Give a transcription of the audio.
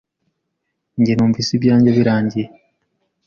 nge numvise ibyange birangiye